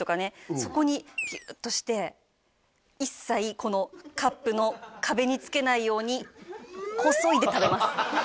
そこにピューッとして一切このカップの壁につけないようにこそいで食べます